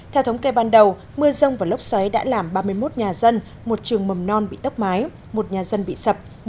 theo thống kê ban đầu mưa rông và lốc xoáy đã làm ba mươi một nhà dân một trường mầm non bị tốc mái một nhà dân bị sập